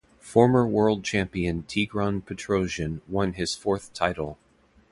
Former world champion Tigran Petrosian won his fourth title.